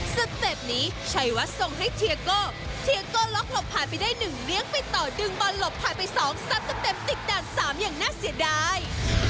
สเต็ปนี้ชัยวัดส่งให้เทียโก้เทียโก้ล็อกหลบผ่านไปได้๑เลี้ยงไปต่อดึงบอลหลบผ่านไป๒ซัดเต็มติดด่าน๓อย่างน่าเสียดาย